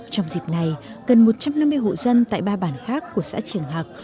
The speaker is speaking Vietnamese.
trong dịp này gần một trăm năm mươi hộ dân tại ba bản khác của xã triển hạc